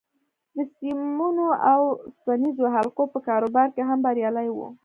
د سيمونو او اوسپنيزو حلقو په کاروبار کې هم بريالی و.